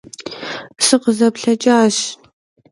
СыкъызэплъэкӀащ.